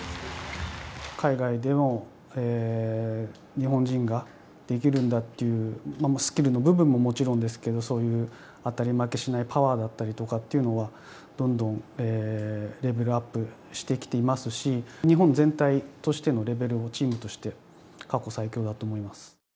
海外でも日本人ができるんだっていう、スキルの部分ももちろんですけど、そういう当たり負けしないパワーだったりとかっていうのが、どんどんレベルアップしてきていますし、日本全体としてのレベルも、チームとして、過去最強だと思い